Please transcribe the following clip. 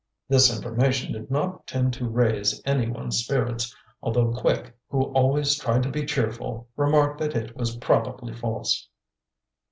This information did not tend to raise anyone's spirits, although Quick, who always tried to be cheerful, remarked that it was probably false.